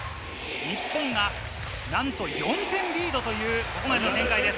日本がなんと４点リードという展開です。